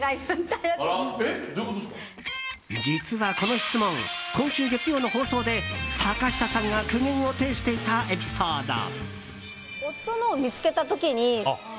実は、この質問今週月曜の放送で坂下さんが苦言を呈していたエピソード。